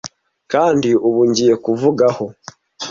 kandi ubu ngiye kuvuga aho